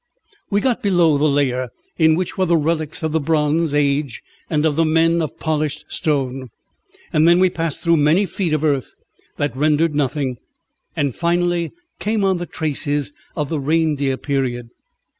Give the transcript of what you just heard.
We got below the layer in which were the relics of the Bronze Age and of the men of polished stone, and then we passed through many feet of earth that rendered nothing, and finally came on the traces of the reindeer period.